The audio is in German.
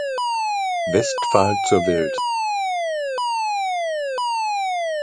Westphal" zur Welt.